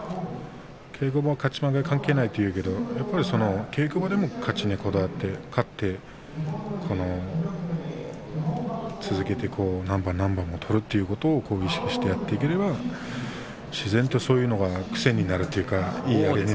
稽古場は勝ち負け関係ないけどやっぱり稽古場でも勝ちにこだわって続けて何番何番も取るということを意識してやっていければ自然とそういうのが癖になるというか。